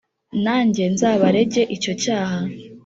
Nanjye nzabarege icyo cyaha,